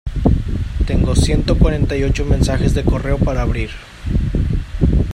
Tengo ciento cuarenta y ocho mensajes de correo para abrir.